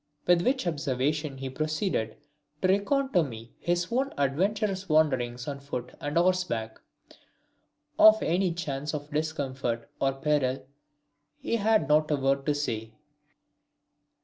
With which observation he proceeded to recount to me his own adventurous wanderings on foot and horseback. Of any chance of discomfort or peril he had not a word to say.